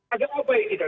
agak apa ya tidak